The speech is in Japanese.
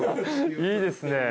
いいですね。